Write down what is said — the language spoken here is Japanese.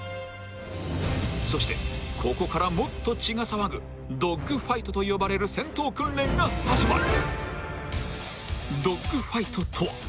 ［そしてここからもっと血が騒ぐドッグファイトと呼ばれる戦闘訓練が始まる］